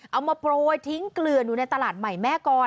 เอามาโปรยทิ้งเกลืออยู่ในตลาดใหม่แม่กร